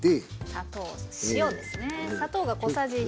砂糖塩ですね。